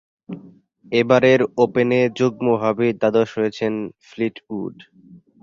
এবারের ওপেনে যুগ্মভাবে দ্বাদশ হয়েছেন ফ্লিটউড।